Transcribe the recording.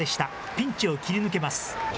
ピンチを切り抜けます。